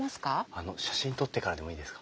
あの写真撮ってからでもいいですか？